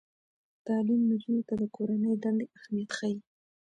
تعلیم نجونو ته د کورنۍ دندې اهمیت ښيي.